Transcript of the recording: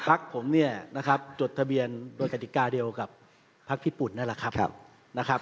ภาคผมเนี่ยจดทะเบียนโดยกะติกาเดียวกับภาคพี่ปุ่นนั่นละครับ